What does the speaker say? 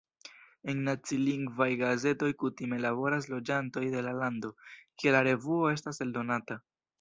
En nacilingvaj gazetoj kutime laboras loĝantoj de la lando, kie la revuo estas eldonata.